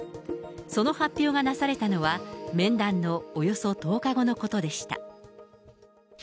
その発表がなされたのは、面談のおよそ１０日後のことでした。